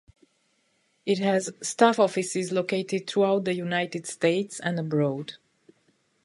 It has staff offices located throughout the United States and abroad.